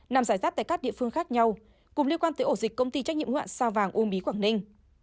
nằm giải tác tại các địa phương khác nhau cùng liên quan tới ổ dịch công ty trách nhiệm hữu hạn sao vàng uông bí quảng ninh